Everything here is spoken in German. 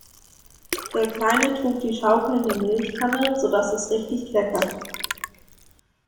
Der Kleine trug die schaukelnde Milchkanne, sodass es richtig kleckerte.